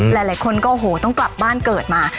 หลายคนก็โอ้โหต้องกลับบ้านเกิดมา